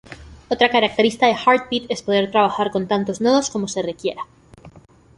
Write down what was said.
Otra característica de Heartbeat es poder trabajar con tantos nodos como se requiera.